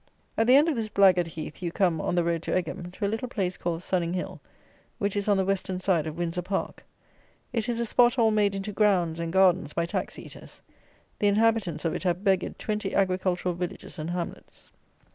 At the end of this blackguard heath you come (on the road to Egham) to a little place called Sunning Hill, which is on the Western side of Windsor Park. It is a spot all made into "grounds" and gardens by tax eaters. The inhabitants of it have beggared twenty agricultural villages and hamlets.